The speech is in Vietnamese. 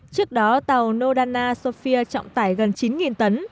trước đó tàu nodana sofia trọng tải gần chín tấn